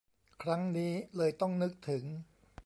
ครั้งนี้เลยต้องนึกถึง